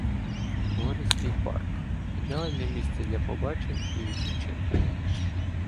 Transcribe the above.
Гористий парк — ідеальне місце д ля побачень і віплочинку.